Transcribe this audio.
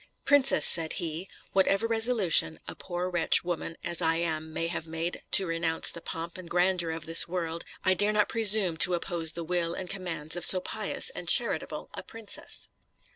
"Princess," said he, "whatever resolution a poor wretched woman as I am may have made to renounce the pomp and grandeur of this world, I dare not presume to oppose the will and commands of so pious and charitable a princess."